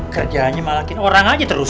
kerjaannya malangin orang aja terus